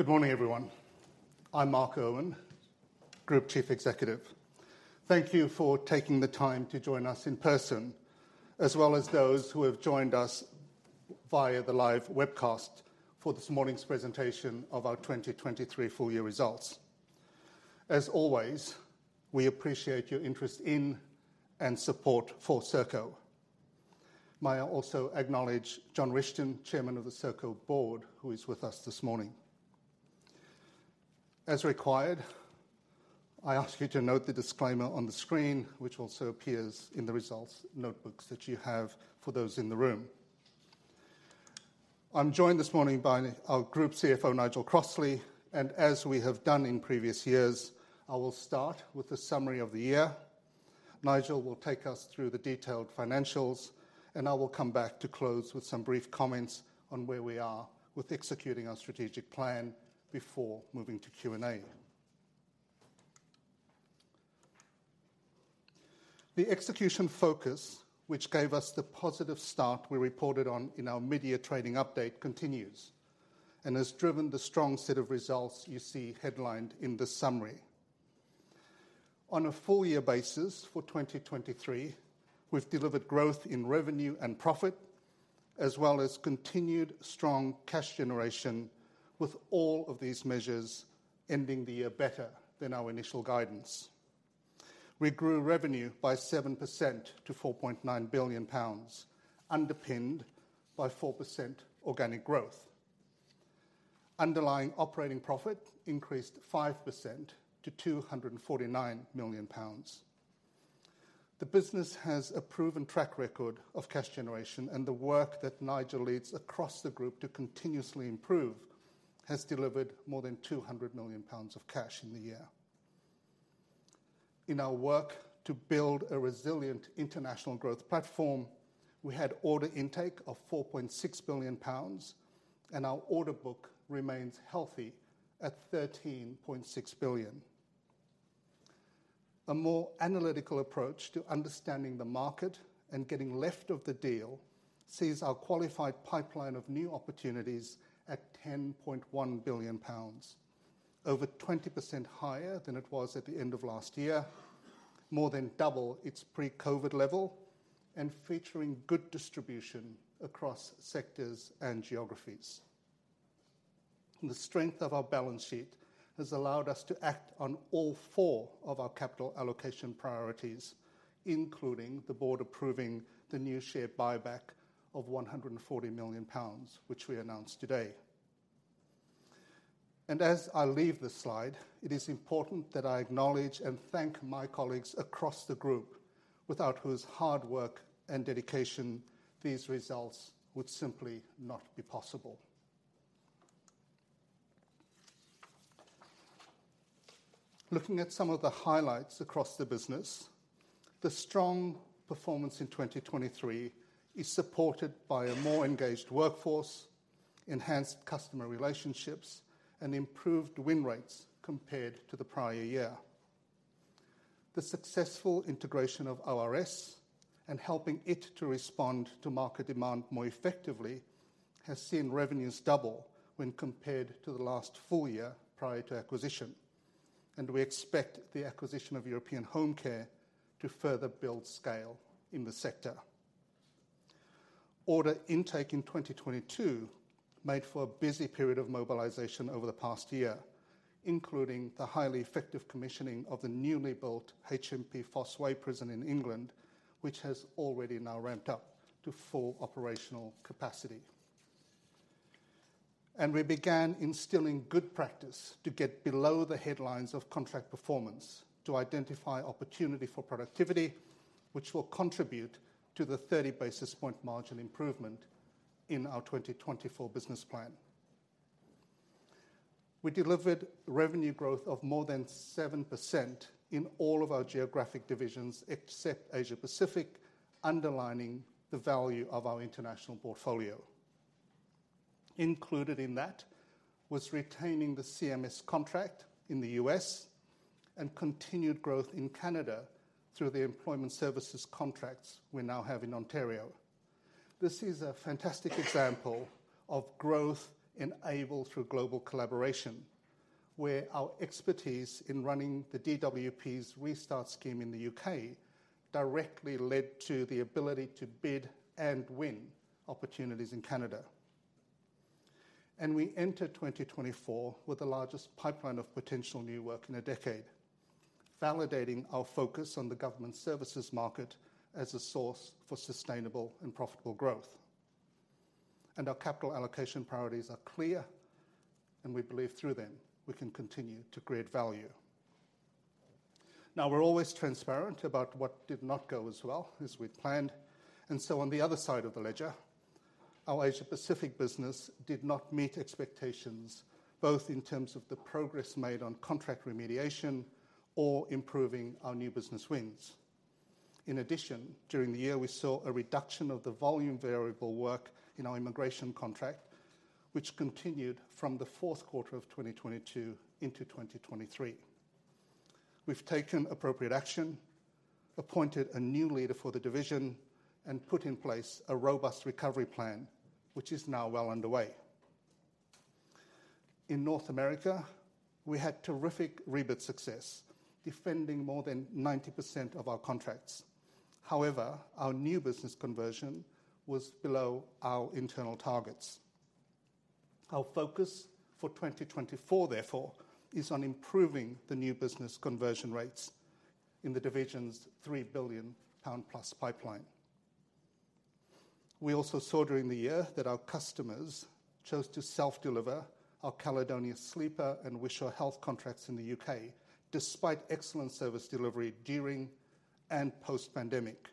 Good morning, everyone. I'm Mark Irwin, Group Chief Executive. Thank you for taking the time to join us in person, as well as those who have joined us via the live webcast for this morning's presentation of our 2023 full-year results. As always, we appreciate your interest in and support for Serco. May I also acknowledge John Rishton, Chairman of the Serco Board, who is with us this morning. As required, I ask you to note the disclaimer on the screen, which also appears in the results notebooks that you have for those in the room. I'm joined this morning by our Group CFO, Nigel Crossley, and as we have done in previous years, I will start with a summary of the year. Nigel will take us through the detailed financials, and I will come back to close with some brief comments on where we are with executing our strategic plan before moving to Q&A. The execution focus, which gave us the positive start we reported on in our media training update, continues and has driven the strong set of results you see headlined in the summary. On a full-year basis for 2023, we've delivered growth in revenue and profit, as well as continued strong cash generation with all of these measures ending the year better than our initial guidance. We grew revenue by 7% to 4.9 billion pounds, underpinned by 4% organic growth. Underlying operating profit increased 5% to 249 million pounds. The business has a proven track record of cash generation, and the work that Nigel leads across the group to continuously improve has delivered more than 200 million pounds of cash in the year. In our work to build a resilient international growth platform, we had order intake of 4.6 billion pounds, and our order book remains healthy at 13.6 billion. A more analytical approach to understanding the market and getting left of the deal sees our qualified pipeline of new opportunities at 10.1 billion pounds, over 20% higher than it was at the end of last year, more than double its pre-COVID level, and featuring good distribution across sectors and geographies. The strength of our balance sheet has allowed us to act on all four of our capital allocation priorities, including the board approving the new share buyback of 140 million pounds, which we announced today. As I leave this slide, it is important that I acknowledge and thank my colleagues across the group without whose hard work and dedication these results would simply not be possible. Looking at some of the highlights across the business, the strong performance in 2023 is supported by a more engaged workforce, enhanced customer relationships, and improved win rates compared to the prior year. The successful integration of ORS and helping it to respond to market demand more effectively has seen revenues double when compared to the last full year prior to acquisition, and we expect the acquisition of European Homecare to further build scale in the sector. Order intake in 2022 made for a busy period of mobilization over the past year, including the highly effective commissioning of the newly built HMP Fosse Way Prison in England, which has already now ramped up to full operational capacity. We began instilling good practice to get below the headlines of contract performance to identify opportunity for productivity, which will contribute to the 30 basis point margin improvement in our 2024 business plan. We delivered revenue growth of more than 7% in all of our geographic divisions except Asia Pacific, underlining the value of our international portfolio. Included in that was retaining the CMS contract in the U.S. and continued growth in Canada through the employment services contracts we now have in Ontario. This is a fantastic example of growth enabled through global collaboration, where our expertise in running the DWP's Restart scheme in the U.K. directly led to the ability to bid and win opportunities in Canada. We entered 2024 with the largest pipeline of potential new work in a decade, validating our focus on the government services market as a source for sustainable and profitable growth. Our capital allocation priorities are clear, and we believe through them we can continue to create value. Now, we're always transparent about what did not go as well as we'd planned, and so on the other side of the ledger, our Asia Pacific business did not meet expectations, both in terms of the progress made on contract remediation or improving our new business wins. In addition, during the year we saw a reduction of the volume variable work in our immigration contract, which continued from the fourth quarter of 2022 into 2023. We've taken appropriate action, appointed a new leader for the division, and put in place a robust recovery plan, which is now well underway. In North America, we had terrific rebid success defending more than 90% of our contracts. However, our new business conversion was below our internal targets. Our focus for 2024, therefore, is on improving the new business conversion rates in the division's 3 billion pound+ pipeline. We also saw during the year that our customers chose to self-deliver our Caledonia Sleeper and Wishaw health contracts in the U.K., despite excellent service delivery during and post-pandemic.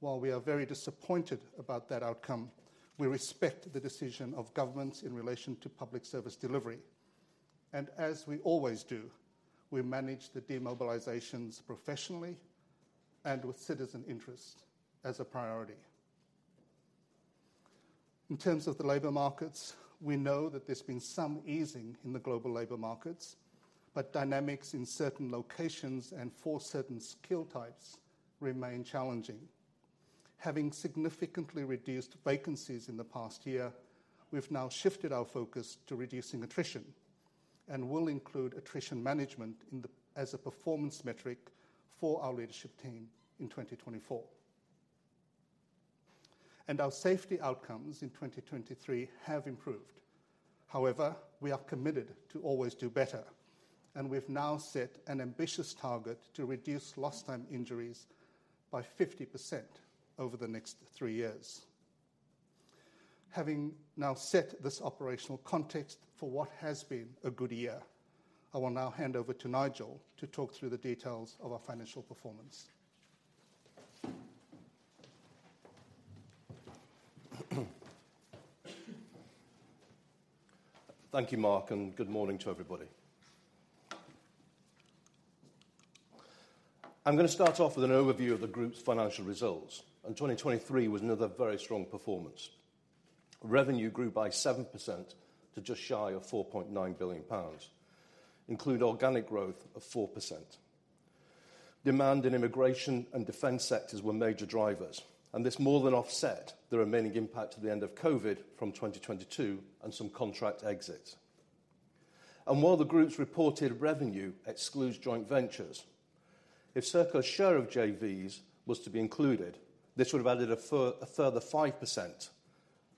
While we are very disappointed about that outcome, we respect the decision of governments in relation to public service delivery, and as we always do, we manage the demobilizations professionally and with citizen interest as a priority. In terms of the labor markets, we know that there's been some easing in the global labor markets, but dynamics in certain locations and for certain skill types remain challenging. Having significantly reduced vacancies in the past year, we've now shifted our focus to reducing attrition and will include attrition management as a performance metric for our leadership team in 2024. Our safety outcomes in 2023 have improved. However, we are committed to always do better, and we've now set an ambitious target to reduce lost-time injuries by 50% over the next three years. Having now set this operational context for what has been a good year, I will now hand over to Nigel to talk through the details of our financial performance. Thank you, Mark, and good morning to everybody. I'm going to start off with an overview of the group's financial results, and 2023 was another very strong performance. Revenue grew by 7% to just shy of 4.9 billion pounds, including organic growth of 4%. Demand in immigration and defense sectors were major drivers, and this more than offset the remaining impact of the end of COVID from 2022 and some contract exits. And while the group's reported revenue excludes joint ventures, if Serco's share of JVs was to be included, this would have added a further 5%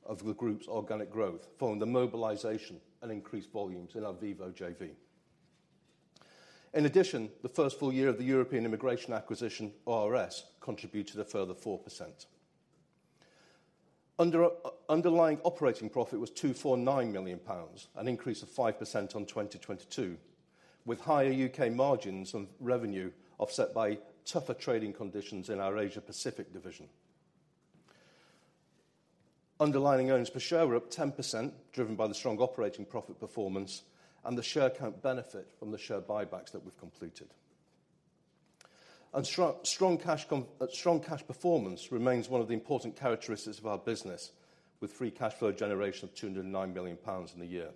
of the group's organic growth following the mobilization and increased volumes in our VIVO JV. In addition, the first full year of the European Immigration Acquisition, ORS, contributed a further 4%. Underlying operating profit was 249 million pounds, an increase of 5% on 2022, with higher U.K. margins and revenue offset by tougher trading conditions in our Asia Pacific division. Underlying earnings per share were up 10%, driven by the strong operating profit performance and the share count benefit from the share buybacks that we've completed. Strong cash performance remains one of the important characteristics of our business, with free cash flow generation of 209 million pounds in the year.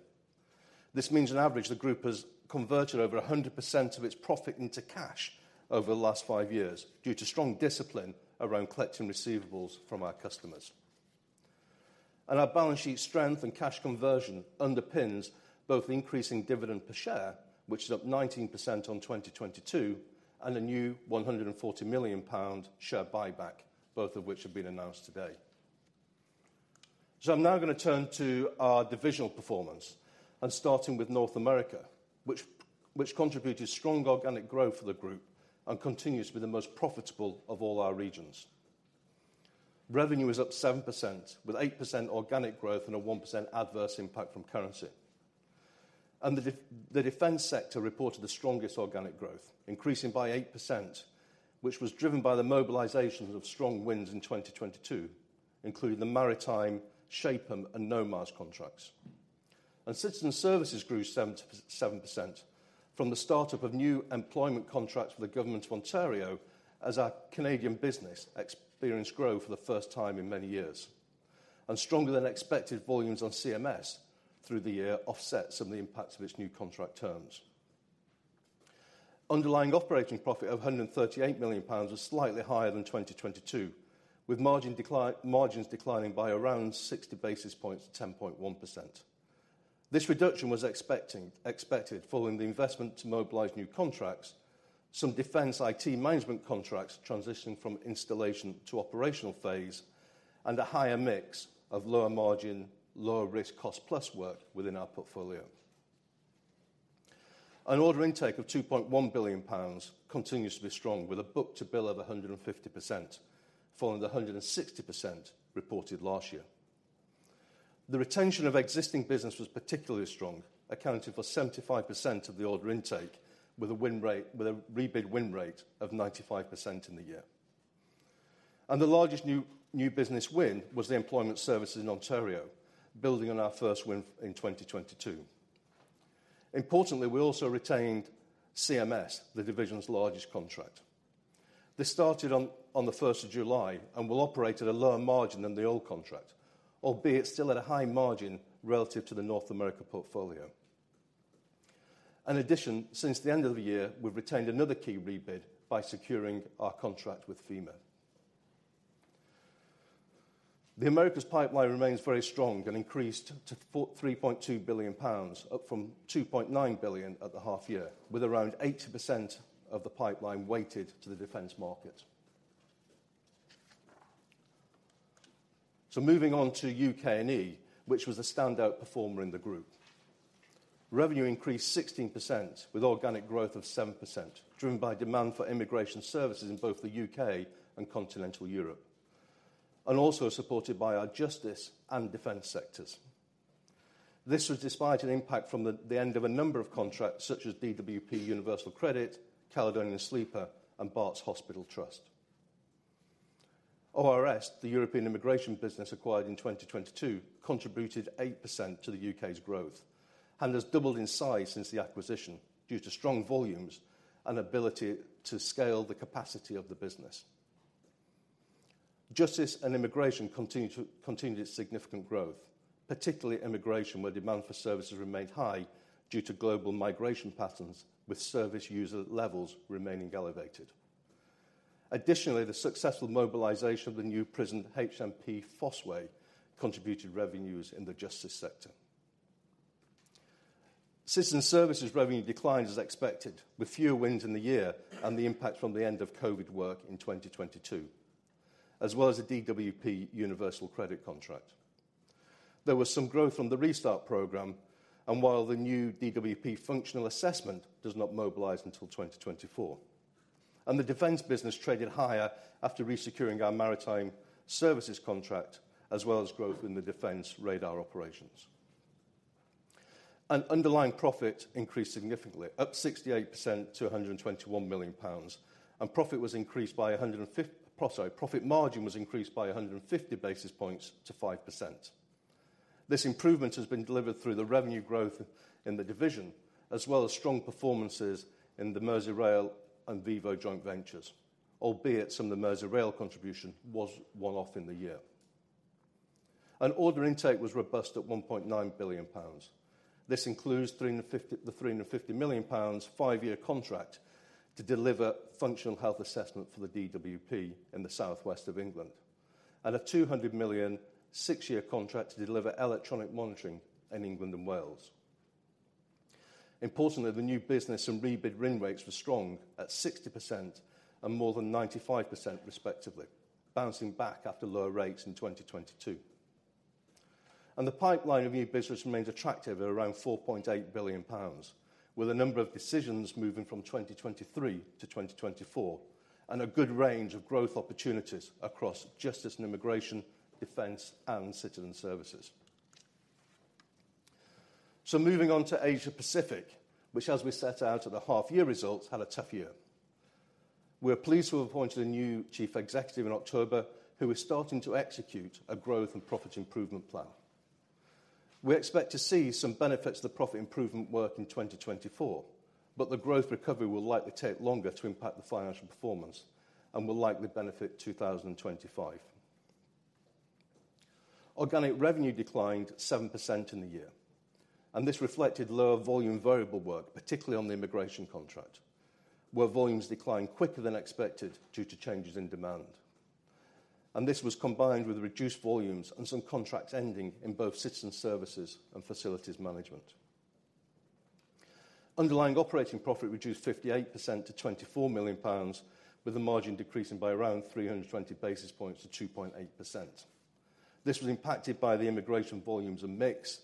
This means, on average, the group has converted over 100% of its profit into cash over the last five years due to strong discipline around collecting receivables from our customers. Our balance sheet strength and cash conversion underpins both the increasing dividend per share, which is up 19% on 2022, and a new 140 million pound share buyback, both of which have been announced today. I'm now going to turn to our divisional performance and starting with North America, which contributed strong organic growth for the group and continues to be the most profitable of all our regions. Revenue is up 7%, with 8% organic growth and a 1% adverse impact from currency. The defense sector reported the strongest organic growth, increasing by 8%, which was driven by the mobilization of strong wins in 2022, including the maritime SHAPM and NOMARS contracts. Citizen services grew 7% from the startup of new employment contracts with the government of Ontario as our Canadian business experienced growth for the first time in many years. Stronger than expected volumes on CMS through the year offset some of the impacts of its new contract terms. Underlying operating profit of 138 million pounds was slightly higher than 2022, with margins declining by around 60 basis points to 10.1%. This reduction was expected following the investment to mobilize new contracts, some defense IT management contracts transitioning from installation to operational phase, and a higher mix of lower margin, lower risk, cost-plus work within our portfolio. Order intake of 2.1 billion pounds continues to be strong, with a book-to-bill of 150%, following the 160% reported last year. The retention of existing business was particularly strong, accounting for 75% of the order intake, with a win rate, with a rebid win rate of 95% in the year. The largest new business win was the employment services in Ontario, building on our first win in 2022. Importantly, we also retained CMS, the division's largest contract. This started on the 1st of July and will operate at a lower margin than the old contract, albeit still at a high margin relative to the North America portfolio. In addition, since the end of the year, we've retained another key rebid by securing our contract with FEMA. The Americas pipeline remains very strong and increased to 3.2 billion pounds, up from 2.9 billion at the half year, with around 80% of the pipeline weighted to the defense markets. So moving on to U.K. and Europe, which was a standout performer in the group. Revenue increased 16%, with organic growth of 7%, driven by demand for immigration services in both the U.K. and continental Europe, and also supported by our justice and defense sectors. This was despite an impact from the end of a number of contracts such as DWP Universal Credit, Caledonian Sleeper, and Barts Hospital Trust. ORS, the European Immigration Business acquired in 2022, contributed 8% to the U.K.'s growth and has doubled in size since the acquisition due to strong volumes and ability to scale the capacity of the business. Justice and immigration continued to continue its significant growth, particularly immigration, where demand for services remained high due to global migration patterns, with service user levels remaining elevated. Additionally, the successful mobilization of the new prison HMP Fosse Way contributed revenues in the justice sector. Citizen services revenue declined as expected, with fewer wins in the year and the impact from the end of COVID work in 2022, as well as the DWP Universal Credit contract. There was some growth from the Restart program, and while the new DWP functional assessment does not mobilize until 2024, the defense business traded higher after resecuring our maritime services contract, as well as growth in the defense radar operations. Underlying profit increased significantly, up 68% to 121 million pounds, and profit was increased by 105%. Profit margin was increased by 150 basis points to 5%. This improvement has been delivered through the revenue growth in the division, as well as strong performances in the Merseyrail and VIVO joint ventures, albeit some of the Merseyrail contribution was one-off in the year. Order intake was robust at 1.9 billion pounds. This includes 350 million pounds five-year contract to deliver functional health assessment for the DWP in the southwest of England, and a 200 million six-year contract to deliver electronic monitoring in England and Wales. Importantly, the new business and rebid win rates were strong at 60% and more than 95%, respectively, bouncing back after lower rates in 2022. The pipeline of new business remains attractive at around 4.8 billion pounds, with a number of decisions moving from 2023 to 2024 and a good range of growth opportunities across justice and immigration, defense, and citizen services. Moving on to Asia Pacific, which, as we set out at the half-year results, had a tough year. We're pleased to have appointed a new Chief Executive in October, who is starting to execute a growth and profit improvement plan. We expect to see some benefits to the profit improvement work in 2024, but the growth recovery will likely take longer to impact the financial performance and will likely benefit 2025. Organic revenue declined 7% in the year, and this reflected lower volume variable work, particularly on the immigration contract, where volumes declined quicker than expected due to changes in demand. This was combined with reduced volumes and some contracts ending in both citizen services and facilities management. Underlying operating profit reduced 58% to 24 million pounds, with the margin decreasing by around 320 basis points to 2.8%. This was impacted by the immigration volumes and mix,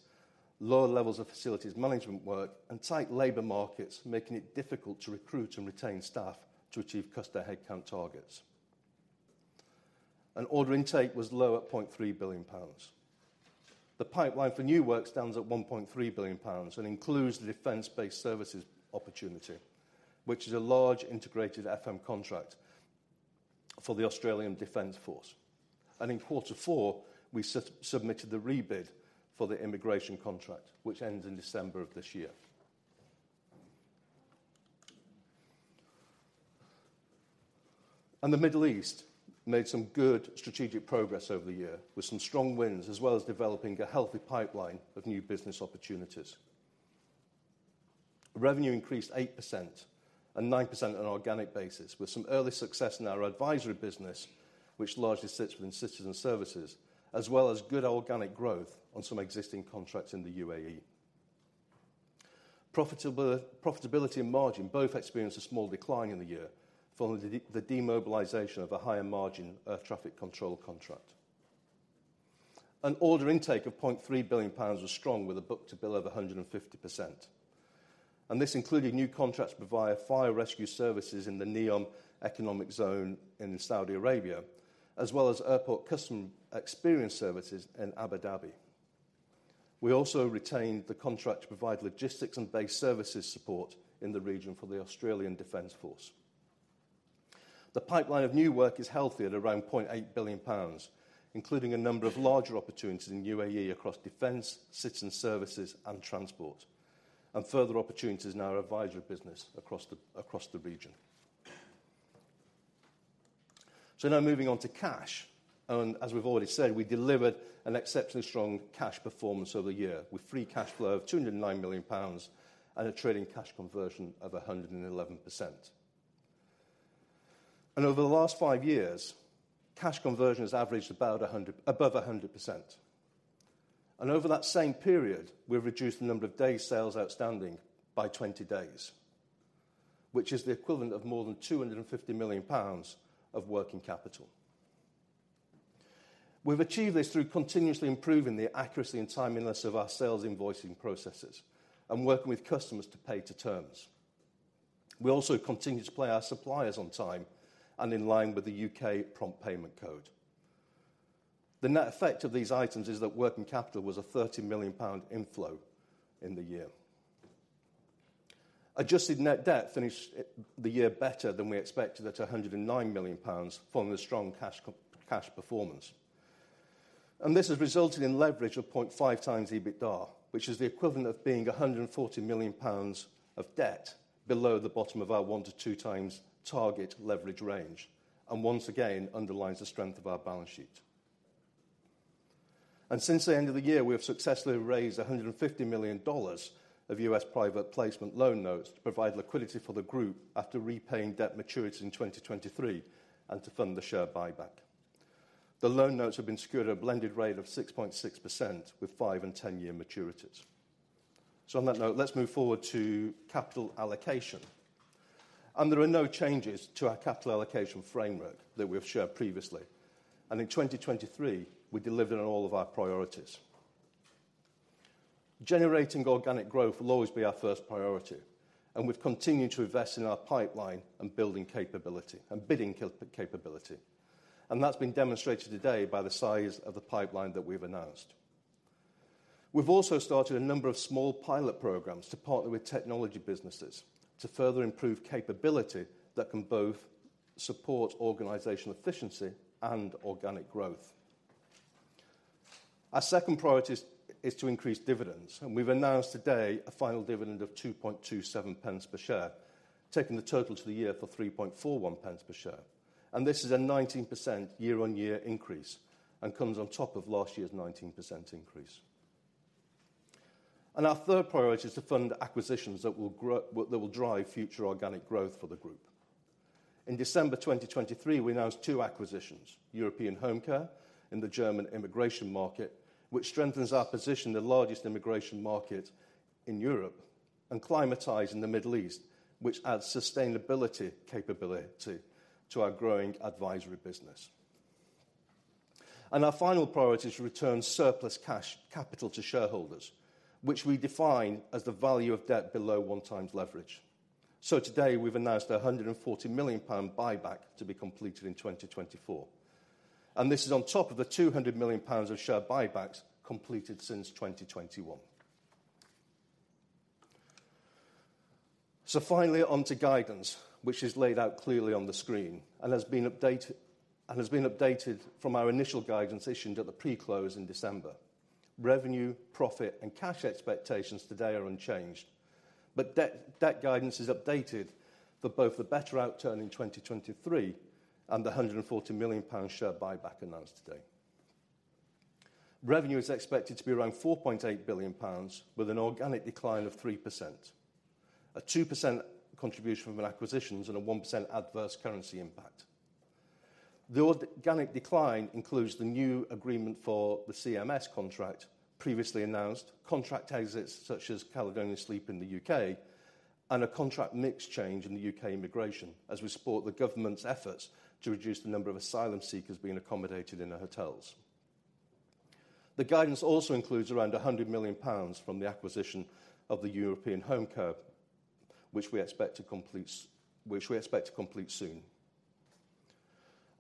lower levels of facilities management work, and tight labor markets, making it difficult to recruit and retain staff to achieve customer headcount targets. Order intake was low at 0.3 billion pounds. The pipeline for new work stands at 1.3 billion pounds and includes the Defence Base Services opportunity, which is a large integrated FM contract for the Australian Defence Force. In quarter four, we submitted the rebid for the immigration contract, which ends in December of this year. The Middle East made some good strategic progress over the year with some strong wins, as well as developing a healthy pipeline of new business opportunities. Revenue increased 8% and 9% on an organic basis, with some early success in our advisory business, which largely sits within citizen services, as well as good organic growth on some existing contracts in the UAE. Profitability and margin both experienced a small decline in the year following the demobilization of a higher margin air traffic control contract. Order intake of 0.3 billion pounds was strong, with a book-to-bill of 150%. This included new contracts providing fire rescue services in the NEOM Economic Zone in Saudi Arabia, as well as airport customer experience services in Abu Dhabi. We also retained the contract to provide logistics and base services support in the region for the Australian Defence Force. The pipeline of new work is healthy at around 0.8 billion pounds, including a number of larger opportunities in UAE across defense, citizen services, and transport, and further opportunities in our advisory business across the region. Now moving on to cash. As we've already said, we delivered an exceptionally strong cash performance over the year with free cash flow of 209 million pounds and a trading cash conversion of 111%. Over the last five years, cash conversion has averaged about 100% above 100%. Over that same period, we've reduced the number of day sales outstanding by 20 days, which is the equivalent of more than 250 million pounds of working capital. We've achieved this through continuously improving the accuracy and timeliness of our sales invoicing processes and working with customers to pay to terms. We also continue to pay our suppliers on time and in line with the U.K. prompt payment code. The net effect of these items is that working capital was a 30 million pound inflow in the year. Adjusted net debt finished the year better than we expected at 109 million pounds following a strong cash performance. This has resulted in leverage of 0.5x EBITDA, which is the equivalent of being 140 million pounds of debt below the bottom of our 1-2x target leverage range, and once again underlines the strength of our balance sheet. Since the end of the year, we have successfully raised $150 million of U.S. private placement loan notes to provide liquidity for the group after repaying debt maturities in 2023 and to fund the share buyback. The loan notes have been secured at a blended rate of 6.6% with five and 10 year maturities. So on that note, let's move forward to capital allocation. There are no changes to our capital allocation framework that we've shared previously. In 2023, we delivered on all of our priorities. Generating organic growth will always be our first priority, and we've continued to invest in our pipeline and building capability and bidding capability. That's been demonstrated today by the size of the pipeline that we've announced. We've also started a number of small pilot programs to partner with technology businesses to further improve capability that can both support organizational efficiency and organic growth. Our second priority is to increase dividends, and we've announced today a final dividend of 2.27 per share, taking the total to the year for 3.41 per share. This is a 19% year-on-year increase and comes on top of last year's 19% increase. Our third priority is to fund acquisitions that will grow, that will drive future organic growth for the group. In December 2023, we announced two acquisitions: European Homecare in the German immigration market, which strengthens our position in the largest immigration market in Europe, and Climatize in the Middle East, which adds sustainability capability to our growing advisory business. Our final priority is to return surplus cash capital to shareholders, which we define as the value of debt below 1x leverage. Today, we've announced a 140 million pound buyback to be completed in 2024. This is on top of the 200 million pounds of share buybacks completed since 2021. So finally, on to guidance, which is laid out clearly on the screen and has been updated from our initial guidance issued at the pre-close in December. Revenue, profit, and cash expectations today are unchanged, but debt guidance is updated for both the better outturn in 2023 and the 140 million pound share buyback announced today. Revenue is expected to be around 4.8 billion pounds, with an organic decline of 3%, a 2% contribution from acquisitions, and a 1% adverse currency impact. The organic decline includes the new agreement for the CMS contract previously announced, contract exits such as Caledonia Sleep in the U.K., and a contract mix change in the U.K. immigration, as we support the government's efforts to reduce the number of asylum seekers being accommodated in hotels. The guidance also includes around 100 million pounds from the acquisition of European Homecare, which we expect to complete, which we expect to complete soon.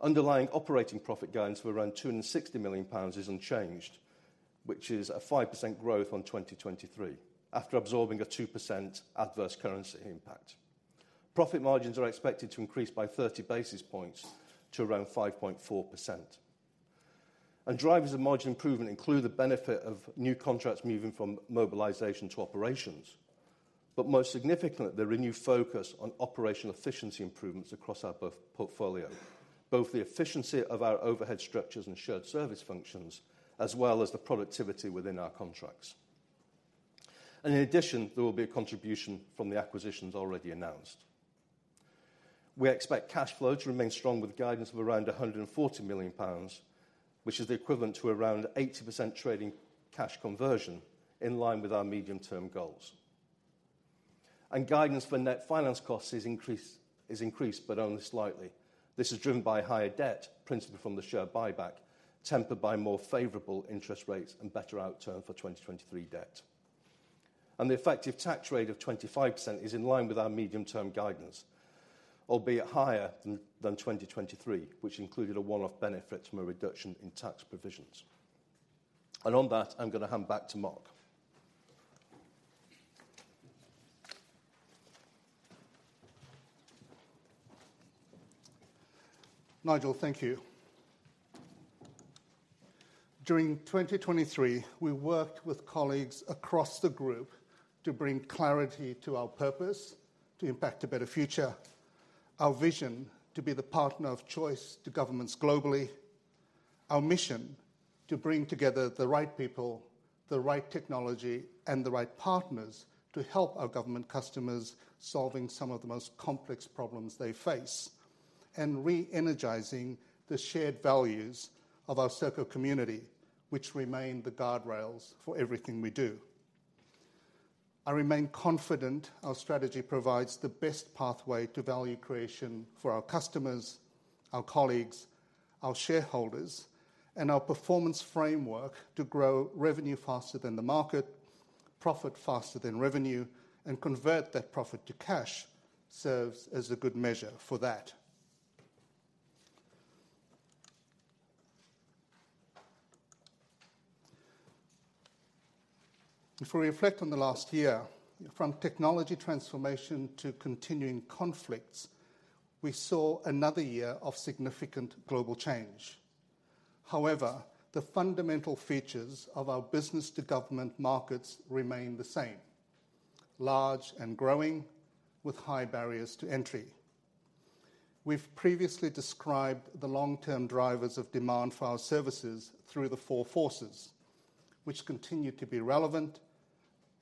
Underlying operating profit guidance for around 260 million pounds is unchanged, which is a 5% growth on 2023 after absorbing a 2% adverse currency impact. Profit margins are expected to increase by 30 basis points to around 5.4%. Drivers of margin improvement include the benefit of new contracts moving from mobilization to operations. Most significantly, the renewed focus on operational efficiency improvements across our portfolio, both the efficiency of our overhead structures and shared service functions, as well as the productivity within our contracts. In addition, there will be a contribution from the acquisitions already announced. We expect cash flow to remain strong with guidance of around 140 million pounds, which is the equivalent to around 80% trading cash conversion in line with our medium-term goals. Guidance for net finance costs is increased, but only slightly. This is driven by higher debt principal from the share buyback, tempered by more favorable interest rates and better outturn for 2023 debt. The effective tax rate of 25% is in line with our medium-term guidance, albeit higher than 2023, which included a one-off benefit from a reduction in tax provisions. On that, I'm going to hand back to Mark. Nigel, thank you. During 2023, we worked with colleagues across the group to bring clarity to our purpose to impact a better future, our vision to be the partner of choice to governments globally, our mission to bring together the right people, the right technology, and the right partners to help our government customers solving some of the most complex problems they face and re-energizing the shared values of our Serco community, which remain the guardrails for everything we do. I remain confident our strategy provides the best pathway to value creation for our customers, our colleagues, our shareholders, and our performance framework to grow revenue faster than the market, profit faster than revenue, and convert that profit to cash serves as a good measure for that. If we reflect on the last year, from technology transformation to continuing conflicts, we saw another year of significant global change. However, the fundamental features of our business-to-government markets remain the same, large and growing, with high barriers to entry. We've previously described the long-term drivers of demand for our services through the four forces, which continue to be relevant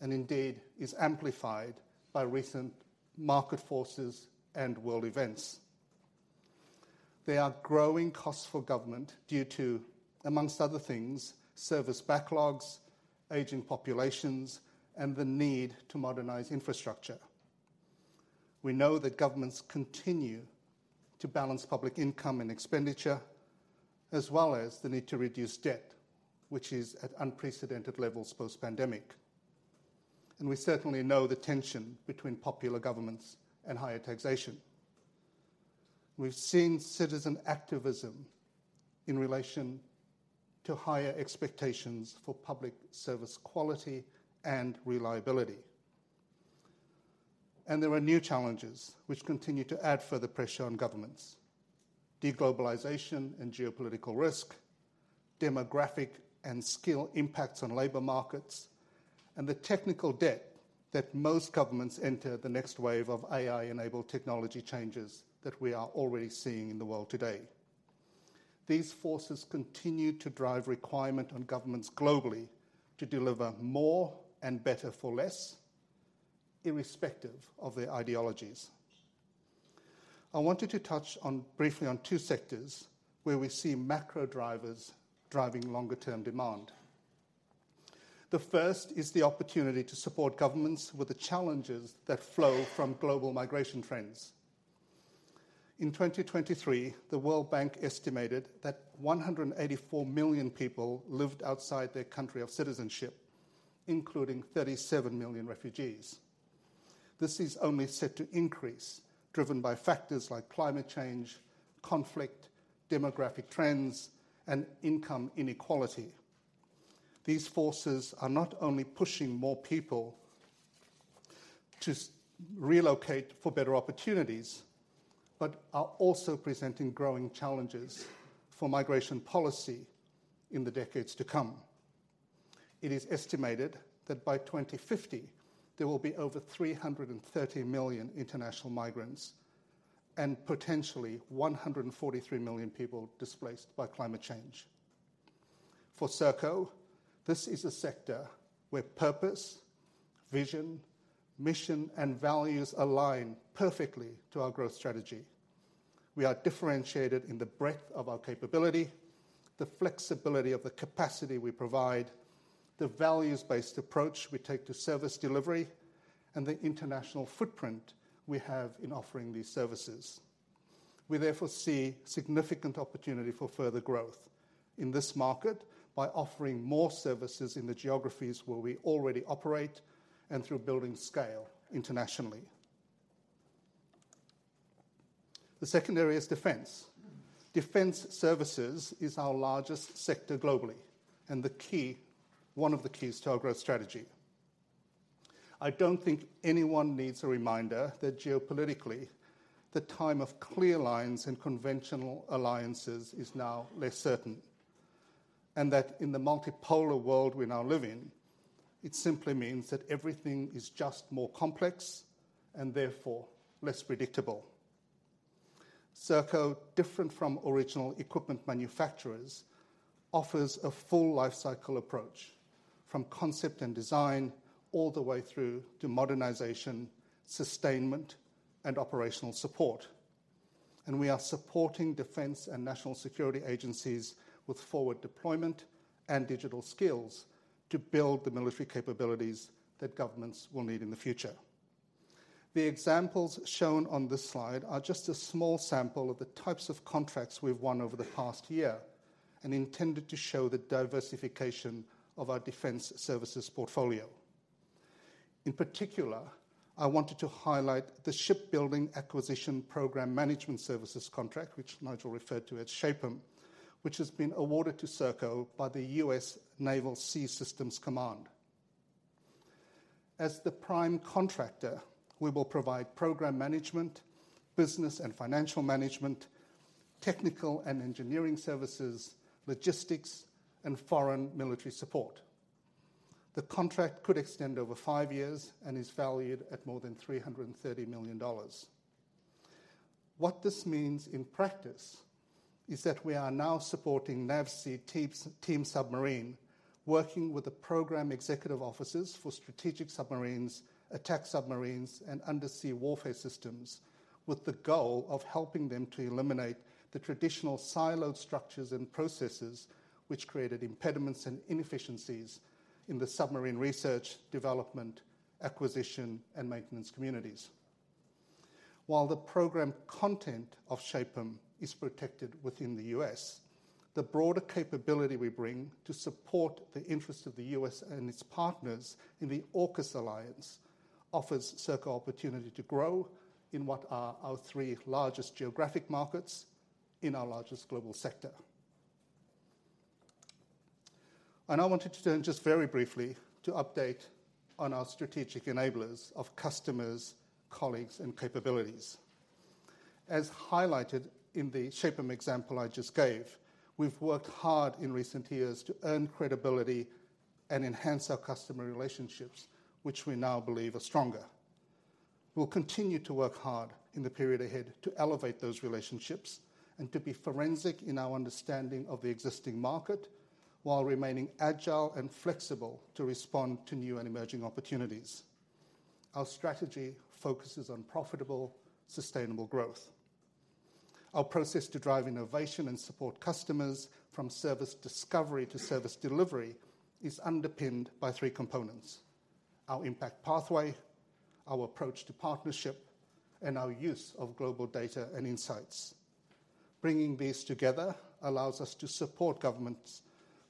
and indeed are amplified by recent market forces and world events. They are growing costs for government due to, among other things, service backlogs, aging populations, and the need to modernize infrastructure. We know that governments continue to balance public income and expenditure, as well as the need to reduce debt, which is at unprecedented levels post-pandemic. And we certainly know the tension between popular governments and higher taxation. We've seen citizen activism in relation to higher expectations for public service quality and reliability. There are new challenges which continue to add further pressure on governments: deglobalization and geopolitical risk, demographic and skill impacts on labor markets, and the technical debt that most governments enter the next wave of AI-enabled technology changes that we are already seeing in the world today. These forces continue to drive requirement on governments globally to deliver more and better for less, irrespective of their ideologies. I wanted to touch briefly on two sectors where we see macro drivers driving longer-term demand. The first is the opportunity to support governments with the challenges that flow from global migration trends. In 2023, the World Bank estimated that 184 million people lived outside their country of citizenship, including 37 million refugees. This is only set to increase, driven by factors like climate change, conflict, demographic trends, and income inequality. These forces are not only pushing more people to relocate for better opportunities, but are also presenting growing challenges for migration policy in the decades to come. It is estimated that by 2050, there will be over 330 million international migrants and potentially 143 million people displaced by climate change. For Serco, this is a sector where purpose, vision, mission, and values align perfectly to our growth strategy. We are differentiated in the breadth of our capability, the flexibility of the capacity we provide, the values-based approach we take to service delivery, and the international footprint we have in offering these services. We therefore see significant opportunity for further growth in this market by offering more services in the geographies where we already operate and through building scale internationally. The second area is defense. Defense services are our largest sector globally and one of the keys to our growth strategy. I don't think anyone needs a reminder that geopolitically, the time of clear lines and conventional alliances is now less certain and that in the multipolar world we now live in, it simply means that everything is just more complex and therefore less predictable. Serco, different from original equipment manufacturers, offers a full lifecycle approach from concept and design all the way through to modernization, sustainment, and operational support. We are supporting defense and national security agencies with forward deployment and digital skills to build the military capabilities that governments will need in the future. The examples shown on this slide are just a small sample of the types of contracts we've won over the past year and intended to show the diversification of our defense services portfolio. In particular, I wanted to highlight the Shipbuilding Acquisition Program Management Services contract, which Nigel referred to as SHAPM, which has been awarded to Serco by the U.S. Naval Sea Systems Command. As the prime contractor, we will provide program management, business and financial management, technical and engineering services, logistics, and foreign military support. The contract could extend over five years and is valued at more than $330 million. What this means in practice is that we are now supporting NAVSEA Team Submarine, working with the program executive offices for strategic submarines, attack submarines, and undersea warfare systems with the goal of helping them to eliminate the traditional siloed structures and processes which created impediments and inefficiencies in the submarine research, development, acquisition, and maintenance communities. While the program content of SHAPM is protected within the U.S., the broader capability we bring to support the interests of the U.S. and its partners in the AUKUS alliance offers Serco opportunity to grow in what are our three largest geographic markets in our largest global sector. I wanted to turn just very briefly to update on our strategic enablers of customers, colleagues, and capabilities. As highlighted in the SHAPM example I just gave, we've worked hard in recent years to earn credibility and enhance our customer relationships, which we now believe are stronger. We'll continue to work hard in the period ahead to elevate those relationships and to be forensic in our understanding of the existing market while remaining agile and flexible to respond to new and emerging opportunities. Our strategy focuses on profitable, sustainable growth. Our process to drive innovation and support customers from service discovery to service delivery is underpinned by three components: our impact pathway, our approach to partnership, and our use of global data and insights. Bringing these together allows us to support governments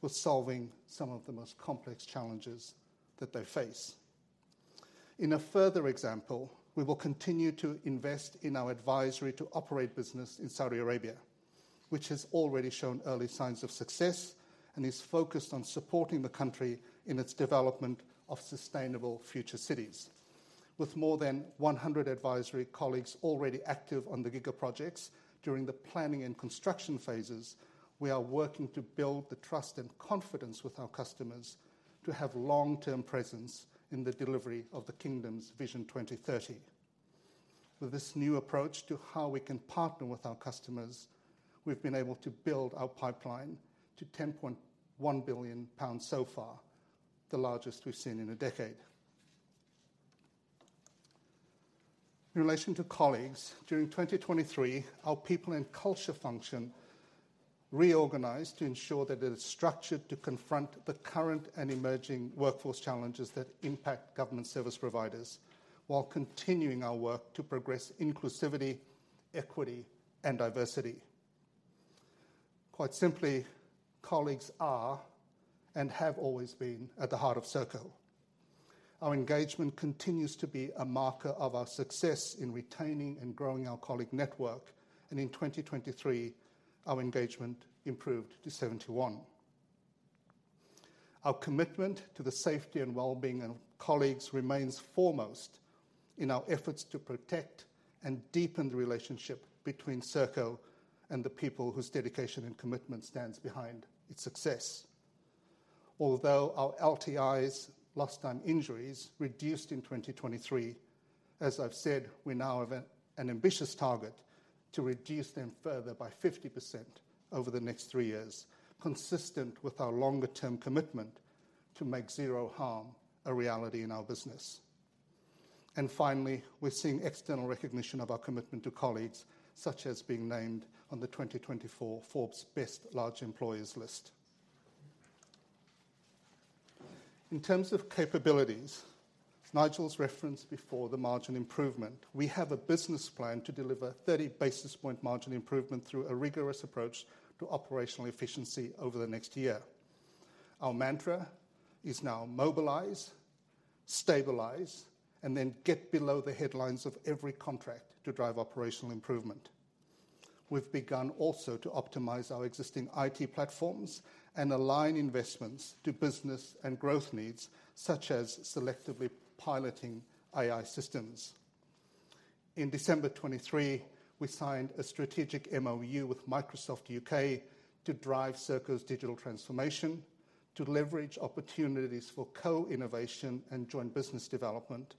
with solving some of the most complex challenges that they face. In a further example, we will continue to invest in our advisory to operate business in Saudi Arabia, which has already shown early signs of success and is focused on supporting the country in its development of sustainable future cities. With more than 100 advisory colleagues already active on the giga projects during the planning and construction phases, we are working to build the trust and confidence with our customers to have long-term presence in the delivery of the Kingdom's Vision 2030. With this new approach to how we can partner with our customers, we've been able to build our pipeline to 10.1 billion pounds so far, the largest we've seen in a decade. In relation to colleagues, during 2023, our people and culture function reorganized to ensure that it is structured to confront the current and emerging workforce challenges that impact government service providers while continuing our work to progress inclusivity, equity, and diversity. Quite simply, colleagues are and have always been at the heart of Serco. Our engagement continues to be a marker of our success in retaining and growing our colleague network, and in 2023, our engagement improved to 71. Our commitment to the safety and well-being of colleagues remains foremost in our efforts to protect and deepen the relationship between Serco and the people whose dedication and commitment stands behind its success. Although our LTIs, lost time injuries, reduced in 2023, as I've said, we now have an ambitious target to reduce them further by 50% over the next three years, consistent with our longer-term commitment to make zero harm a reality in our business. And finally, we're seeing external recognition of our commitment to colleagues, such as being named on the 2024 Forbes Best Large Employers list. In terms of capabilities, Nigel's referenced before the margin improvement, we have a business plan to deliver 30 basis point margin improvement through a rigorous approach to operational efficiency over the next year. Our mantra is now mobilize, stabilize, and then get below the headlines of every contract to drive operational improvement. We've begun also to optimize our existing IT platforms and align investments to business and growth needs, such as selectively piloting AI systems. In December 2023, we signed a strategic MOU with Microsoft U.K. to drive Serco's digital transformation, to leverage opportunities for co-innovation and joint business development.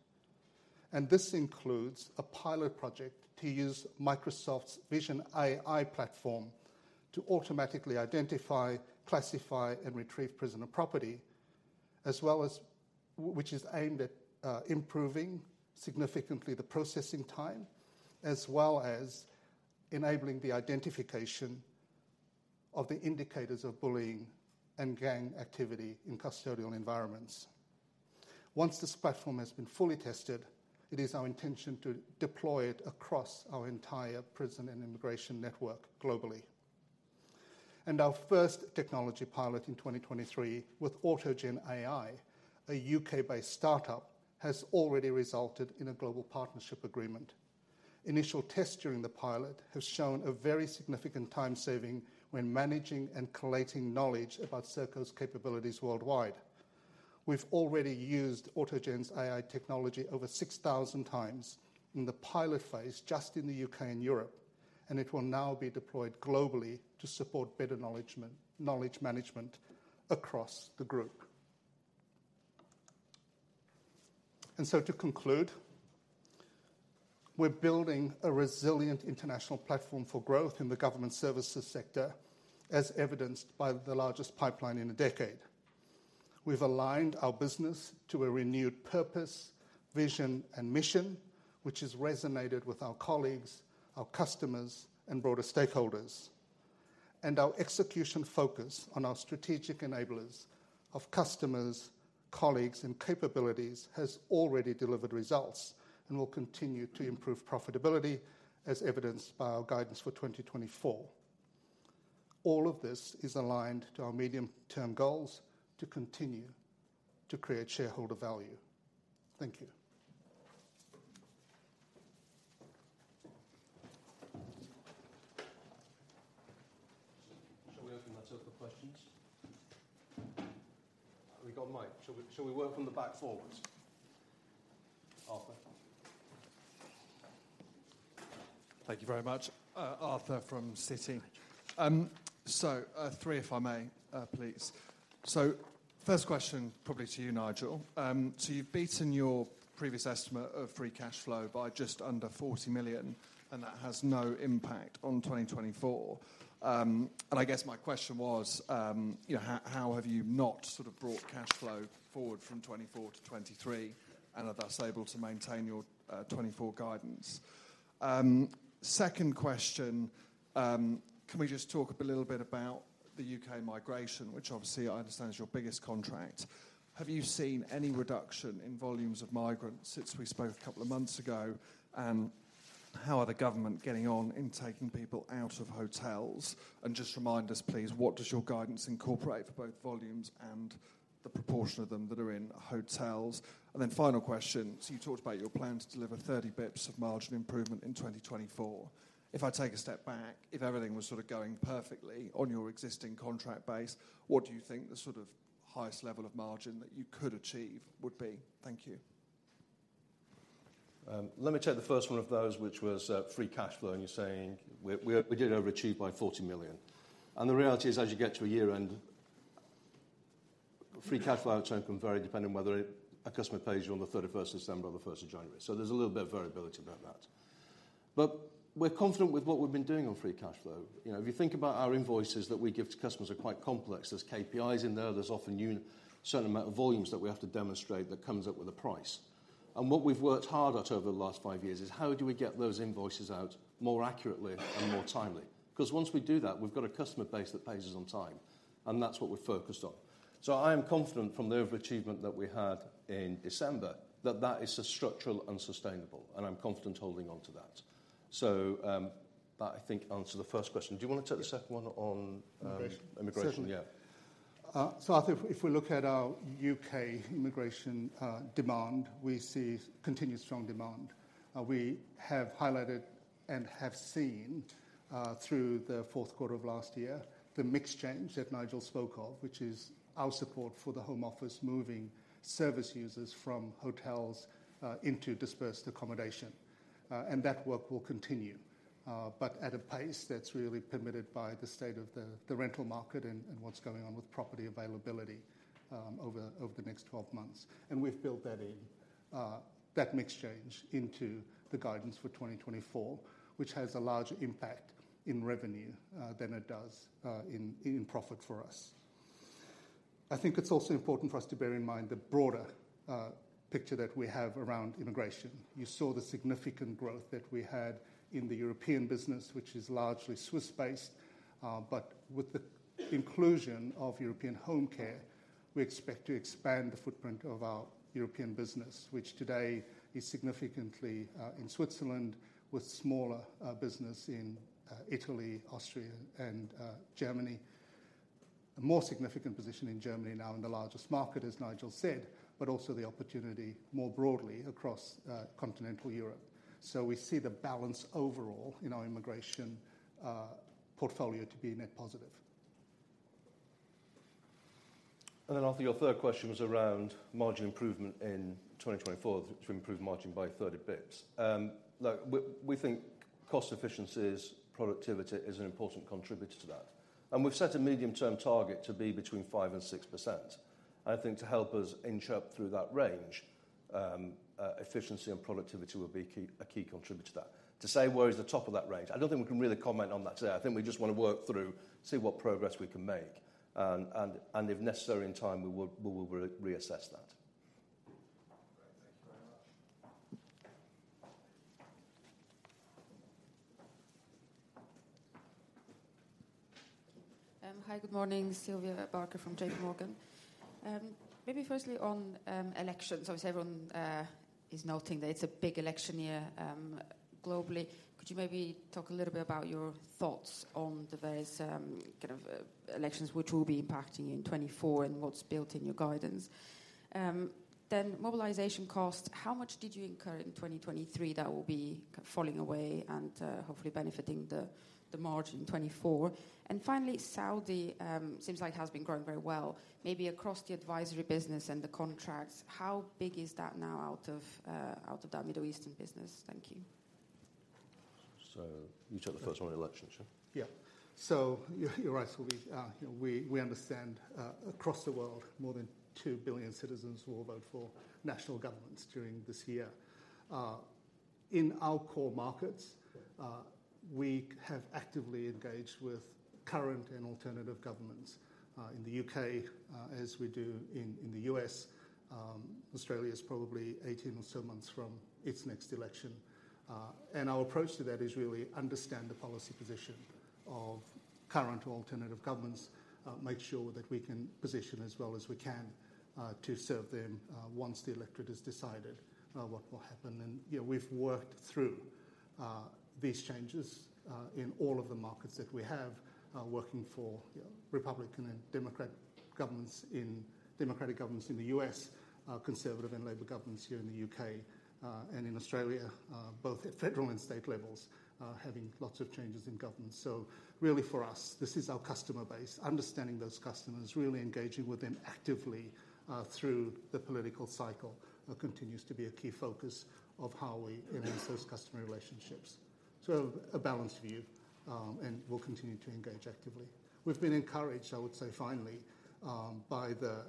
And this includes a pilot project to use Microsoft's Vision AI platform to automatically identify, classify, and retrieve prisoner property, which is aimed at improving significantly the processing time, as well as enabling the identification of the indicators of bullying and gang activity in custodial environments. Once this platform has been fully tested, it is our intention to deploy it across our entire prison and immigration network globally. And our first technology pilot in 2023 with AutoGenAI, a U.K.-based startup, has already resulted in a global partnership agreement. Initial tests during the pilot have shown a very significant time saving when managing and collating knowledge about Serco's capabilities worldwide. We've already used AutoGenAI's technology over 6,000 times in the pilot phase just in the U.K. and Europe, and it will now be deployed globally to support better knowledge management across the group. And so to conclude, we're building a resilient international platform for growth in the government services sector, as evidenced by the largest pipeline in a decade. We've aligned our business to a renewed purpose, vision, and mission, which has resonated with our colleagues, our customers, and broader stakeholders. And our execution focus on our strategic enablers of customers, colleagues, and capabilities has already delivered results and will continue to improve profitability, as evidenced by our guidance for 2024. All of this is aligned to our medium-term goals to continue to create shareholder value. Thank you. Shall we open that up for questions? We've got a mic. Shall we work from the back forwards? Arthur? Thank you very much. Arthur from Citi. So three, if I may, please. So first question, probably to you, Nigel. So you've beaten your previous estimate of free cash flow by just under 40 million, and that has no impact on 2024. And I guess my question was, how have you not sort of brought cash flow forward from 2024 to 2023, and are thus able to maintain your 2024 guidance? Second question, can we just talk a little bit about the U.K. migration, which obviously I understand is your biggest contract? Have you seen any reduction in volumes of migrants since we spoke a couple of months ago? And how are the government getting on in taking people out of hotels? And just remind us, please, what does your guidance incorporate for both volumes and the proportion of them that are in hotels? And then final question. So you talked about your plan to deliver 30 basis points of margin improvement in 2024. If I take a step back, if everything was sort of going perfectly on your existing contract base, what do you think the sort of highest level of margin that you could achieve would be? Thank you. Let me take the first one of those, which was free cash flow. And you're saying we did overachieve by 40 million. And the reality is, as you get to a year-end, free cash flow at its own company, very dependent on whether a customer pays you on the 31st of December or the 1st of January. So there's a little bit of variability about that. But we're confident with what we've been doing on free cash flow. If you think about our invoices that we give to customers, they're quite complex. There's KPIs in there. There's often a certain amount of volumes that we have to demonstrate that comes up with a price. And what we've worked hard at over the last five years is, how do we get those invoices out more accurately and more timely? Because once we do that, we've got a customer base that pays us on time. That's what we're focused on. I am confident from the overachievement that we had in December that that is so structural and sustainable. I'm confident holding onto that. That, I think, answered the first question. Do you want to take the second one on immigration? Immigration. Yeah. So Arthur, if we look at our U.K. immigration demand, we see continued strong demand. We have highlighted and have seen through the fourth quarter of last year the mixed change that Nigel spoke of, which is our support for the Home Office moving service users from hotels into dispersed accommodation. That work will continue, but at a pace that's really permitted by the state of the rental market and what's going on with property availability over the next 12 months. We've built that mixed change into the guidance for 2024, which has a larger impact in revenue than it does in profit for us. I think it's also important for us to bear in mind the broader picture that we have around immigration. You saw the significant growth that we had in the European business, which is largely Swiss-based. But with the inclusion of European Homecare, we expect to expand the footprint of our European business, which today is significantly in Switzerland with smaller business in Italy, Austria, and Germany. A more significant position in Germany now in the largest market, as Nigel said, but also the opportunity more broadly across continental Europe. So we see the balance overall in our immigration portfolio to be net positive. And then Arthur, your third question was around margin improvement in 2024, to improve margin by 30 basis points. Look, we think cost efficiencies, productivity is an important contributor to that. And we've set a medium-term target to be between 5% and 6%. And I think to help us inch up through that range, efficiency and productivity will be a key contributor to that. To say where is the top of that range, I don't think we can really comment on that today. I think we just want to work through, see what progress we can make. And if necessary in time, we will reassess that. Great. Thank you very much. Hi. Good morning. Sylvia Barker from J.P. Morgan. Maybe firstly on elections. Obviously, everyone is noting that it's a big election year globally. Could you maybe talk a little bit about your thoughts on the various kind of elections which will be impacting you in 2024 and what's built in your guidance? Then mobilization cost. How much did you incur in 2023 that will be falling away and hopefully benefiting the margin in 2024? And finally, Saudi seems like it has been growing very well. Maybe across the advisory business and the contracts, how big is that now out of that Middle Eastern business? Thank you. So you took the first one on elections, yeah? Yeah. So you're right, Sylvia. We understand across the world, more than 2 billion citizens will vote for national governments during this year. In our core markets, we have actively engaged with current and alternative governments in the U.K. as we do in the U.S. Australia is probably 18 or so months from its next election. And our approach to that is really understand the policy position of current or alternative governments, make sure that we can position as well as we can to serve them once the electorate has decided what will happen. And we've worked through these changes in all of the markets that we have, working for Republican and Democratic governments in the U.S., Conservative and Labour governments here in the U.K. and in Australia, both at federal and state levels, having lots of changes in government. So really, for us, this is our customer base. Understanding those customers, really engaging with them actively through the political cycle continues to be a key focus of how we enhance those customer relationships. A balanced view, and we'll continue to engage actively. We've been encouraged, I would say finally, by the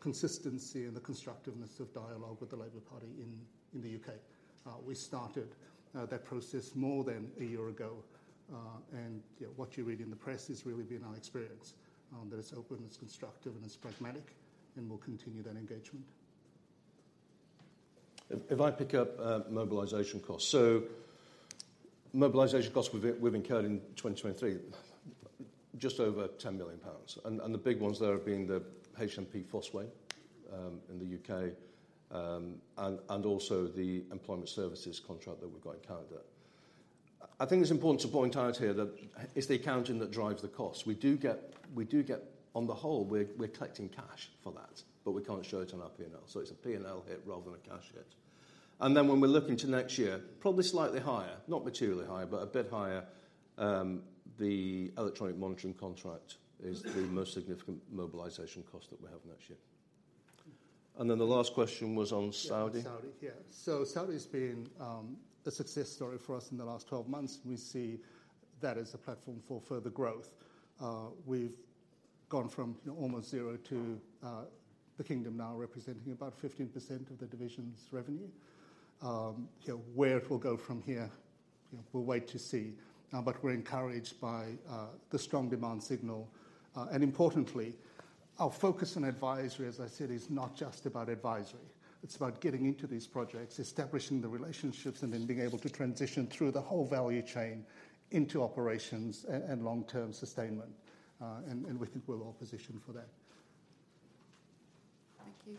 consistency and the constructiveness of dialogue with the Labour Party in the U.K. We started that process more than a year ago. What you read in the press has really been our experience, that it's open, it's constructive, and it's pragmatic. We'll continue that engagement. If I pick up mobilization costs. So mobilization costs we've incurred in 2023, just over 10 million pounds. And the big ones there have been the HMP Fosse Way in the U.K. and also the employment services contract that we've got in Canada. I think it's important to point out here that it's the accounting that drives the costs. We do get, on the whole, we're collecting cash for that, but we can't show it on our P&L. So it's a P&L hit rather than a cash hit. And then when we're looking to next year, probably slightly higher, not materially higher, but a bit higher, the electronic monitoring contract is the most significant mobilization cost that we have next year. And then the last question was on Saudi. Yeah. Saudi, yeah. So Saudi has been a success story for us in the last 12 months. We see that as a platform for further growth. We've gone from almost zero to the Kingdom now representing about 15% of the division's revenue. Where it will go from here, we'll wait to see. But we're encouraged by the strong demand signal. And importantly, our focus on advisory, as I said, is not just about advisory. It's about getting into these projects, establishing the relationships, and then being able to transition through the whole value chain into operations and long-term sustainment. And we think we're well positioned for that. Thank you. Do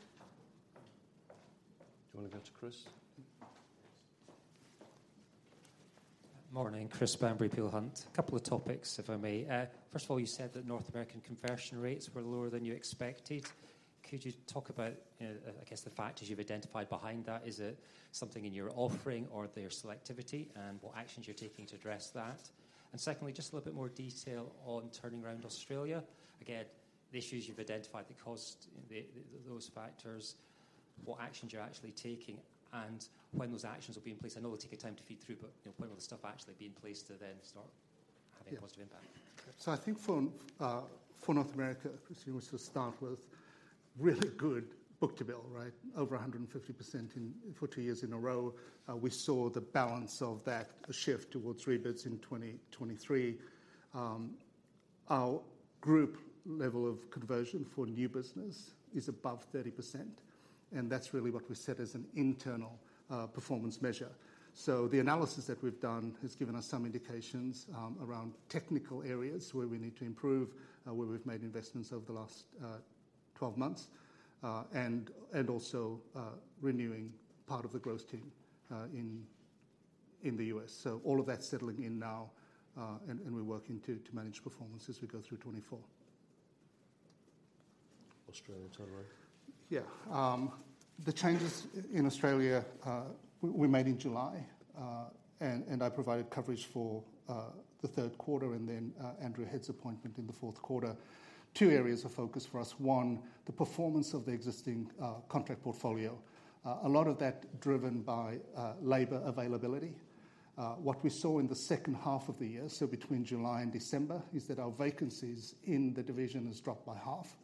you want to go to Chris? Morning. Chris from Peel Hunt. Couple of topics, if I may. First of all, you said that North American conversion rates were lower than you expected. Could you talk about, I guess, the factors you've identified behind that? Is it something in your offering or their selectivity and what actions you're taking to address that? And secondly, just a little bit more detail on turning around Australia. Again, the issues you've identified that caused those factors, what actions you're actually taking, and when those actions will be in place. I know we'll take a time to feed through, but when will the stuff actually be in place to then start having a positive impact? Yeah. So I think for North America, Christine, we should start with really good book-to-bill, right? Over 150% for two years in a row. We saw the balance of that shift towards rebates in 2023. Our group level of conversion for new business is above 30%. And that's really what we set as an internal performance measure. So the analysis that we've done has given us some indications around technical areas where we need to improve, where we've made investments over the last 12 months, and also renewing part of the growth team in the U.S. So all of that's settling in now, and we're working to manage performance as we go through 2024. Australia, turnaround? Yeah. The changes in Australia we made in July. I provided coverage for the third quarter and then Andrew Head's appointment in the fourth quarter. Two areas of focus for us. One, the performance of the existing contract portfolio. A lot of that driven by labor availability. What we saw in the second half of the year, so between July and December, is that our vacancies in the division has dropped by half.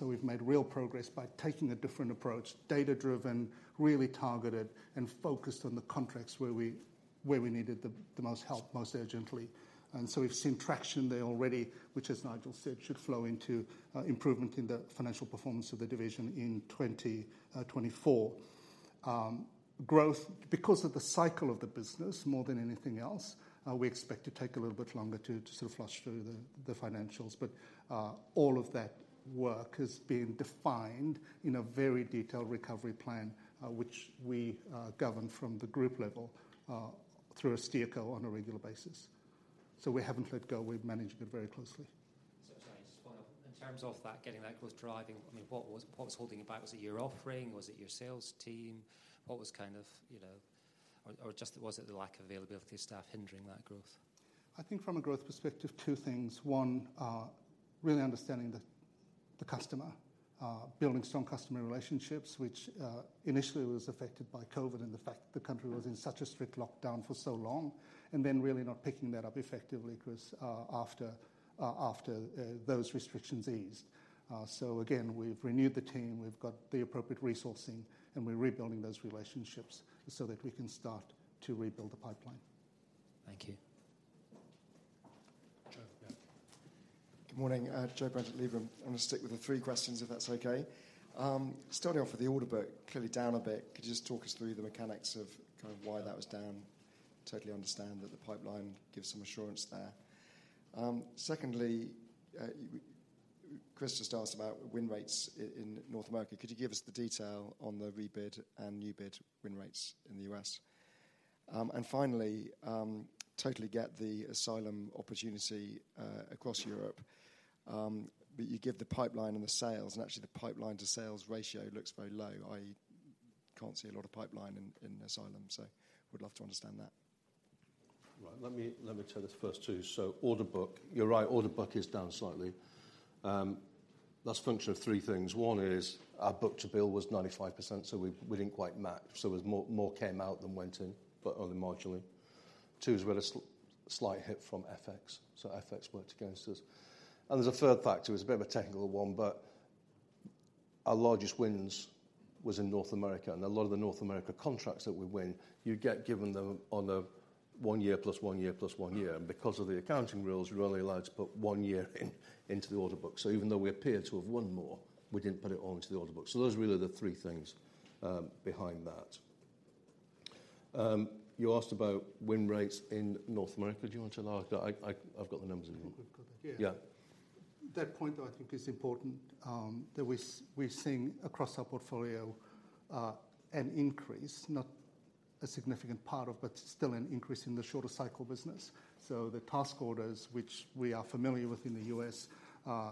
We've made real progress by taking a different approach, data-driven, really targeted, and focused on the contracts where we needed the most help most urgently. We've seen traction there already, which, as Nigel said, should flow into improvement in the financial performance of the division in 2024. Growth, because of the cycle of the business more than anything else, we expect to take a little bit longer to sort of flush through the financials. But all of that work has been defined in a very detailed recovery plan, which we govern from the group level through a steerco on a regular basis. So we haven't let go. We're managing it very closely. So sorry, just one more. In terms of getting that growth driving, I mean, what was holding you back? Was it your offering? Was it your sales team? What was kind of or was it the lack of availability of staff hindering that growth? I think from a growth perspective, two things. One, really understanding the customer, building strong customer relationships, which initially was affected by COVID and the fact the country was in such a strict lockdown for so long. And then really not picking that up effectively, Chris, after those restrictions eased. So again, we've renewed the team. We've got the appropriate resourcing. And we're rebuilding those relationships so that we can start to rebuild the pipeline. Thank you. Joe Brent. Good morning. Joe Brent, Liberum. I'm going to stick with the three questions, if that's okay. Starting off with the order book, clearly down a bit. Could you just talk us through the mechanics of kind of why that was down? Totally understand that the pipeline gives some assurance there. Secondly, Chris just asked about win rates in North America. Could you give us the detail on the rebid and new bid win rates in the U.S.? And finally, totally get the asylum opportunity across Europe. But you give the pipeline and the sales. And actually, the pipeline to sales ratio looks very low. I can't see a lot of pipeline in asylum. So would love to understand that. Right. Let me tell you the first two. So order book, you're right, order book is down slightly. That's a function of three things. One is our book-to-bill was 95%, so we didn't quite match. So more came out than went in, but only marginally. Two is we had a slight hit from FX. So FX worked against us. And there's a third factor. It's a bit of a technical one. But our largest wins was in North America. And a lot of the North America contracts that we win, you get given them on a one year plus one year plus one year. And because of the accounting rules, you're only allowed to put one year into the order book. So even though we appear to have won more, we didn't put it all into the order book. So those are really the three things behind that. You asked about win rates in North America. Do you want to? I've got the numbers in front. Yeah. That point, though, I think is important. We're seeing across our portfolio an increase, not a significant part of, but still an increase in the shorter cycle business. So the task orders, which we are familiar with in the U.S.,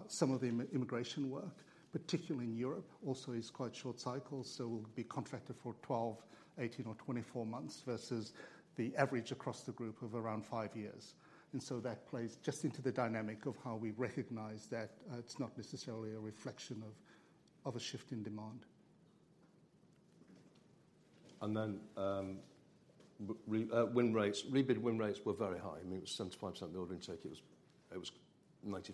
some of the immigration work, particularly in Europe, also is quite short cycles. So we'll be contracted for 12, 18, or 24 months versus the average across the group of around five years. And so that plays just into the dynamic of how we recognize that it's not necessarily a reflection of a shift in demand. Then win rates. Rebid win rates were very high. I mean, it was 75% of the order intake. It was 95%-100%.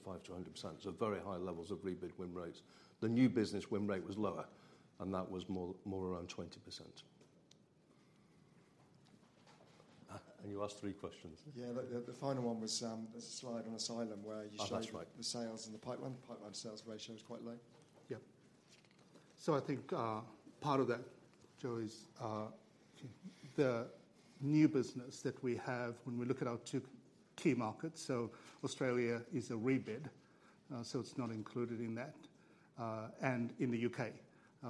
So very high levels of rebid win rates. The new business win rate was lower. And that was more around 20%. You asked three questions. Yeah. The final one was, there's a slide on asylum where you show the sales and the pipeline. The pipeline sales ratio is quite low. Yeah. So I think part of that, Joey, is the new business that we have when we look at our two key markets. So Australia is a rebid. So it's not included in that. And in the U.K.,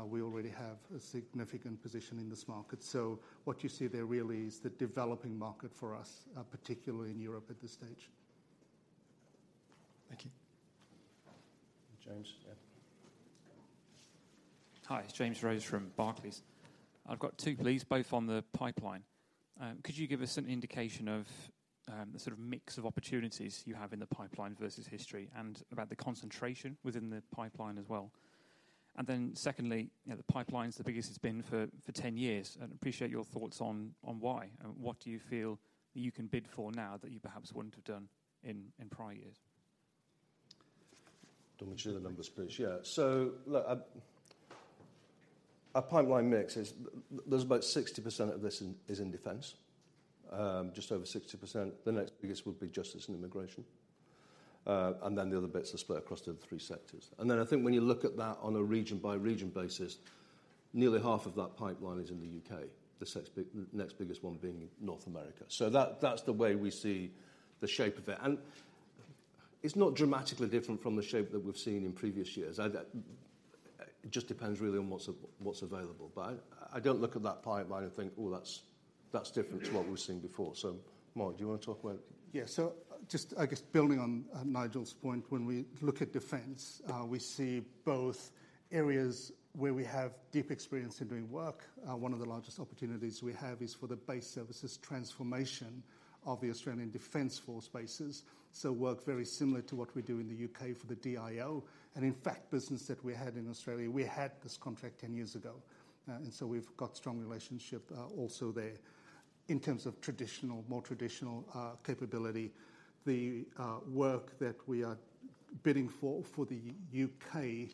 we already have a significant position in this market. So what you see there really is the developing market for us, particularly in Europe at this stage. Thank you. James, yeah. Hi. It's James Rose from Barclays. I've got two, please, both on the pipeline. Could you give us an indication of the sort of mix of opportunities you have in the pipeline versus history and about the concentration within the pipeline as well? And then secondly, the pipeline's the biggest it's been for 10 years. And appreciate your thoughts on why. What do you feel that you can bid for now that you perhaps wouldn't have done in prior years? Don't mention the numbers, please. Yeah. So look, our pipeline mix is there's about 60% of this is in defense, just over 60%. The next biggest would be justice and immigration. And then the other bits are split across the other three sectors. And then I think when you look at that on a region-by-region basis, nearly half of that pipeline is in the U.K., the next biggest one being North America. So that's the way we see the shape of it. And it's not dramatically different from the shape that we've seen in previous years. It just depends really on what's available. But I don't look at that pipeline and think, "Oh, that's different to what we've seen before." So Mark, do you want to talk about? Yeah. So just, I guess, building on Nigel's point, when we look at defense, we see both areas where we have deep experience in doing work. One of the largest opportunities we have is for the Base Services Transformation of the Australian Defence Force bases. So work very similar to what we do in the U.K. for the DIO. And in fact, business that we had in Australia, we had this contract 10 years ago. And so we've got a strong relationship also there in terms of more traditional capability. The work that we are bidding for for the U.K.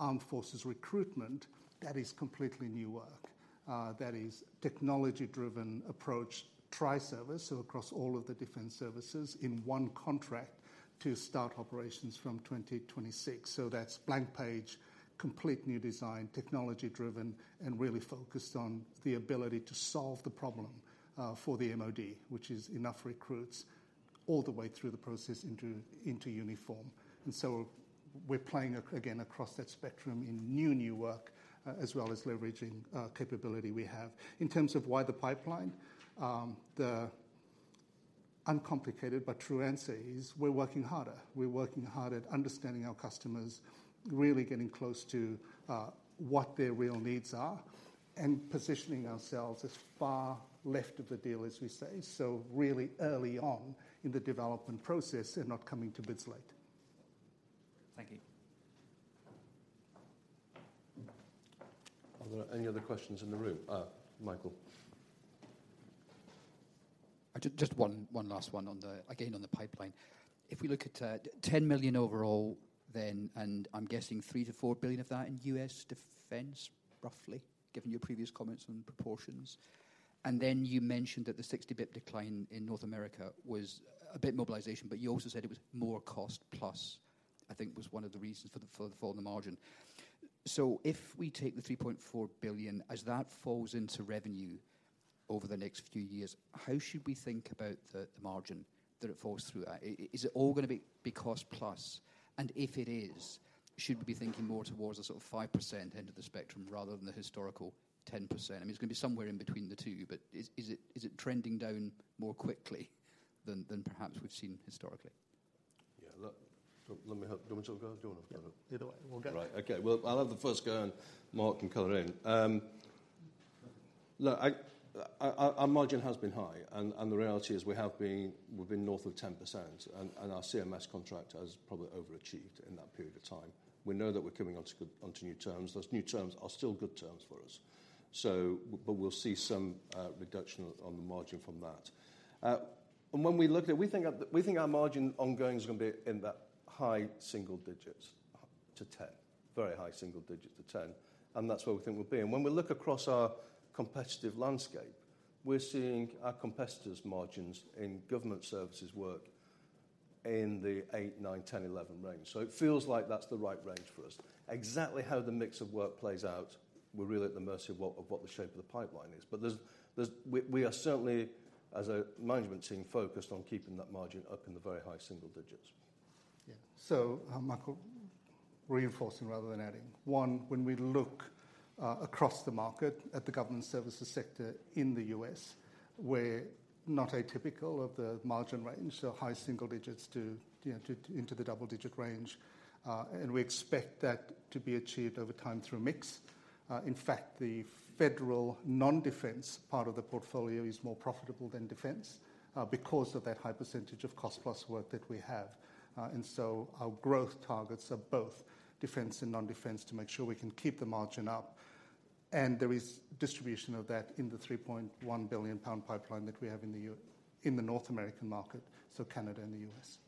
Armed Forces recruitment, that is completely new work. That is technology-driven approach, tri-service, so across all of the defense services in one contract to start operations from 2026. So that's blank page, complete new design, technology-driven, and really focused on the ability to solve the problem for the MOD, which is enough recruits all the way through the process into uniform. And so we're playing, again, across that spectrum in new, new work as well as leveraging capability we have. In terms of why the pipeline, the uncomplicated but true answer is we're working harder. We're working hard at understanding our customers, really getting close to what their real needs are, and positioning ourselves as far left of the deal as we say, so really early on in the development process and not coming to bids late. Thank you. Any other questions in the room? Michael. Just one last one, again, on the pipeline. If we look at 10 million overall then, and I'm guessing $3 billion-$4 billion of that in U.S. defense, roughly, given your previous comments on proportions. Then you mentioned that the 60 basis point decline in North America was a bit mobilization. But you also said it was more cost-plus, I think, was one of the reasons for the fall in the margin. So if we take the $3.4 billion, as that falls into revenue over the next few years, how should we think about the margin that it falls through? Is it all going to be cost-plus? And if it is, should we be thinking more towards a sort of 5% end of the spectrum rather than the historical 10%? I mean, it's going to be somewhere in between the two. But is it trending down more quickly than perhaps we've seen historically? Yeah. Don't want to talk? Go on. I've got it. Either way. We'll get it. Right. Okay. Well, I'll have the first go. And Mark can color in. Look, our margin has been high. And the reality is we've been north of 10%. And our CMS contract has probably overachieved in that period of time. We know that we're coming onto new terms. Those new terms are still good terms for us. But we'll see some reduction on the margin from that. And when we look at it, we think our margin ongoing is going to be in that high single digits to 10, very high single digits to 10. And that's where we think we'll be. And when we look across our competitive landscape, we're seeing our competitors' margins in government services work in the eight, nine, 10, 11 range. So it feels like that's the right range for us. Exactly how the mix of work plays out, we're really at the mercy of what the shape of the pipeline is. But we are certainly, as a management team, focused on keeping that margin up in the very high single digits. Yeah. So Michael, reinforcing rather than adding. One, when we look across the market at the government services sector in the U.S., we're not atypical of the margin range, so high single digits into the double-digit range. And we expect that to be achieved over time through mix. In fact, the federal non-defense part of the portfolio is more profitable than defense because of that high percentage of cost-plus work that we have. And so our growth targets are both defense and non-defense to make sure we can keep the margin up. And there is distribution of that in the 3.1 billion-pound pipeline that we have in the North American market, so Canada and the U.S.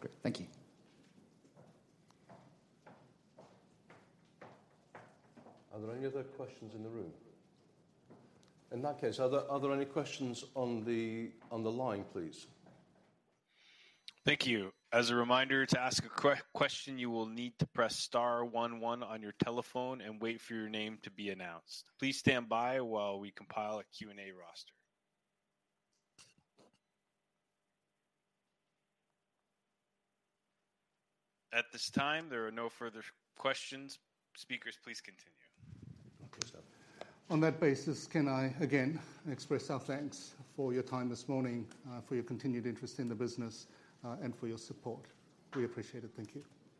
Great. Thank you. Are there any other questions in the room? In that case, are there any questions on the line, please? Thank you. As a reminder, to ask a question, you will need to press star one one on your telephone and wait for your name to be announced. Please stand by while we compile a Q&A roster. At this time, there are no further questions. Speakers, please continue. On that basis, can I, again, express our thanks for your time this morning, for your continued interest in the business, and for your support. We appreciate it. Thank you.